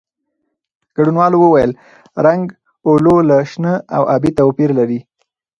ګډونوالو وویل، رنګ "اولو" له شنه او ابي توپیر لري.